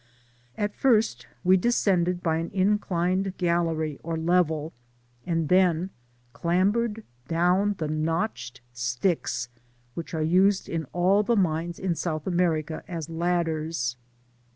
225 At first we descended by an inclined gallery or level, and then clambered down the notched sticks, wliich are used in all the mines in South America as ladders.